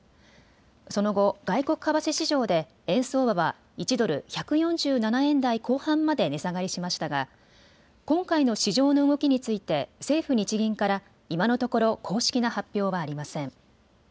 その後、外国為替市場で円相場は１ドル１４７円台後半まで値下がりしましたが今回の市場の動きについて政府・日銀から今のところ公式な発表はありません。